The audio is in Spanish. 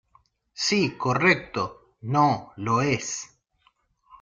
Sí, correcto. No , lo es .